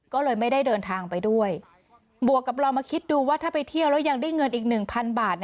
ก็เลยไม่ได้เดินทางไปด้วยบวกกับลองมาคิดดูว่าถ้าไปเที่ยวแล้วยังได้เงินอีกหนึ่งพันบาท